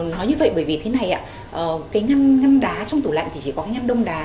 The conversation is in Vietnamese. nói như vậy bởi vì thế này cái ngăn ngâm đá trong tủ lạnh thì chỉ có cái ngác đông đá